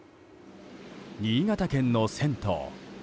新潟県の銭湯。